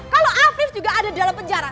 kalau afif juga ada di dalam penjara